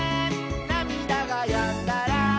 「なみだがやんだら」